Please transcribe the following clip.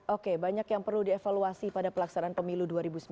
oke banyak yang perlu dievaluasi pada pelaksanaan pemilu dua ribu sembilan belas